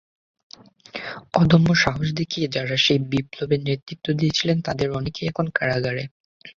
অদম্য সাহস দেখিয়ে যাঁরা সেই বিপ্লবে নেতৃত্ব দিয়েছিলেন, তাঁদের অনেকেই এখন কারাগারে।